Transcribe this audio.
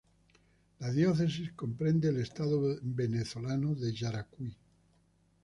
La diócesis comprende el estado venezolano de Yaracuy.